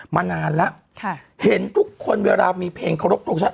มานานแล้วเห็นทุกคนเวลามีเพลงเคารพทงชาติ